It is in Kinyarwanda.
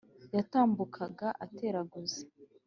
yatambukaga ateraguza,